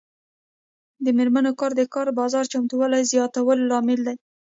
د میرمنو کار د کار بازار چمتووالي زیاتولو لامل دی.